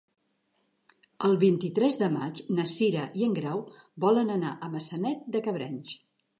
El vint-i-tres de maig na Cira i en Grau volen anar a Maçanet de Cabrenys.